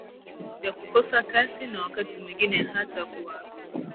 Ya kukosa kasi na wakati mwingine hata kuwa